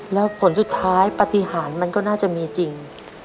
แล้วผลสุดท้ายปฏิหารมันก็น่าจะมีจริง